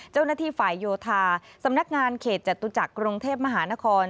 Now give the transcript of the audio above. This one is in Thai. เจ้าหน้าที่ฝ่ายโยธาสำนักงานเขตจตุจักรกรุงเทพมหานคร